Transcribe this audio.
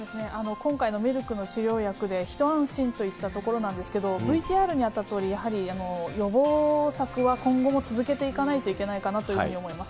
今回のメルクの治療薬で一安心といったところなんですけど、ＶＴＲにあったとおり、やはり予防策は今後も続けていかないといけないかなというふうに思います。